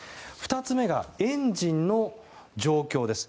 ２つ目が、エンジンの状況です。